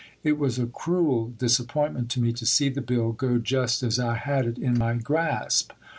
It was a cruel disappointment to me to see the Bill go just as I had it in my grasp.